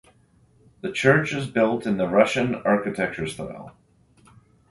The church is built in the Russian architecture style.